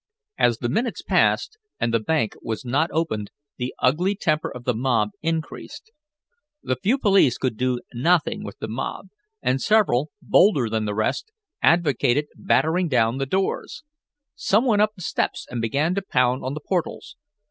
As the minutes passed, and the bank was not opened, the ugly temper of the crowd increased. The few police could do nothing with the mob, and several, bolder than the rest, advocated battering down the doors. Some went up the steps and began to pound on the portals.